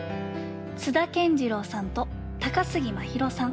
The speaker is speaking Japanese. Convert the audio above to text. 津田健次郎さんと高杉真宙さん